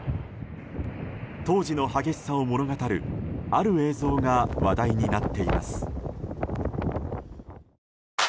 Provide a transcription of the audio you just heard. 当時の激しさを物語るある映像が話題になっています。